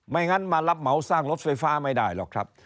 งั้นมารับเหมาสร้างรถไฟฟ้าไม่ได้หรอกครับ